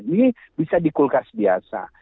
ini bisa dikulkas biasa